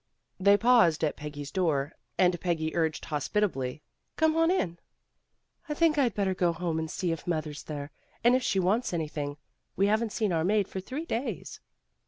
They paused at Peggy's door and Peggy urged hospitably, 1 'Come on in." "I think I'd better go home and see if mother's there, and if she wants anything. We haven't seen our maid for three days."